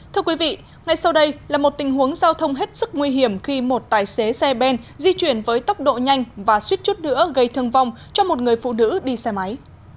thưa quý vị ngay sau đây là một tình huống giao thông hết sức nguy hiểm khi một tài xế xe ben di chuyển với tốc độ nhanh và suýt chút nữa gây thương vong cho một người phụ nữ đi xe máy